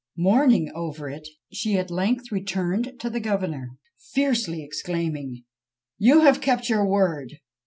Mourning over it, she at length returned to the governor, fiercely exclaiming, "You have kept your word!